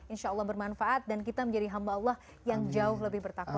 insya allah bermanfaat dan kita menjadi hamba allah yang jauh lebih bertakwa